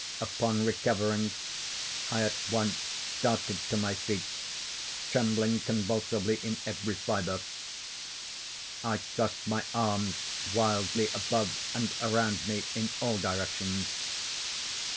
Upon recovering, I at once started to my feet, trembling convulsively in every fibre. I thrust my arms wildly above and around me in all directions.